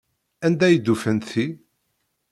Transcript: Anda ay d-ufan ti?